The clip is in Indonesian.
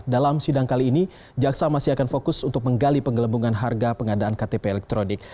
dalam sidang kali ini jaksa masih akan fokus untuk menggali penggelembungan harga pengadaan ktp elektronik